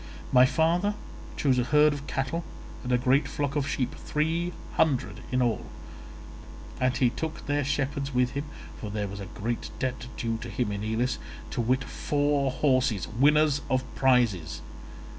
My father chose a herd of cattle and a great flock of sheep—three hundred in all—and he took their shepherds with him, for there was a great debt due to him in Elis, to wit four horses, winners of prizes.